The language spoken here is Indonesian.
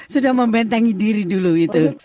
sudah membentengi diri dulu itu